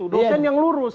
dosen yang lurus